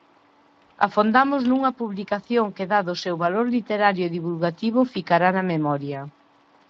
Afondamos nunha publicación que, dado o seu valor literario e divulgativo, ficará na memoria.